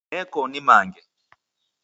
Neko nimange